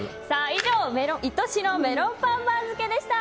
以上愛しのメロンパン番付でした。